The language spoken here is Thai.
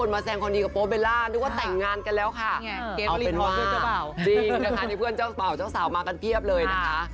เอาเป็นว่าจริงนะคะนี่เพื่อนเจ้าสาวมากันเทียบเลยนะคะ